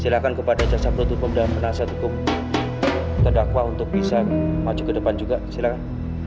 silahkan kepada cak sabro tukum dan penasihat tukum tadakwa untuk bisa maju ke depan juga silahkan